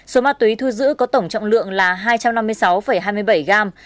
số ma túy thu giữ có tổng trọng lượng là hai trăm năm mươi sáu hai mươi bảy gram